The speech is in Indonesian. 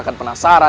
dan menangkan mereka